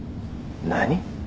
何？